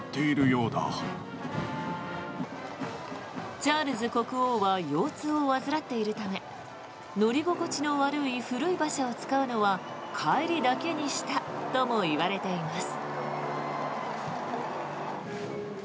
チャールズ国王は腰痛を患っているため乗り心地の悪い古い馬車を使うのは帰りだけにしたともいわれています。